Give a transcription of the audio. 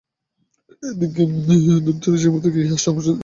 এঁদের দন্তরুচিকৌমুদীতে কি হাস্যমাধুরী জাগবে না।